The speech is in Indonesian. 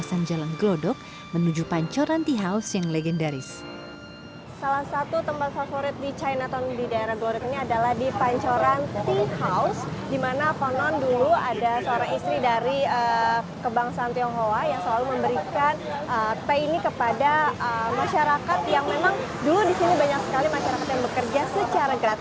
yang memang dulu di sini banyak sekali masyarakat yang bekerja secara gratis